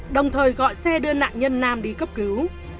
đồng thời gọi xe đưa nạn nhân nam đi cấp cứu